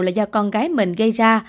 là do con gái mình gây ra